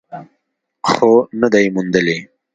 خو نه ده یې موندلې.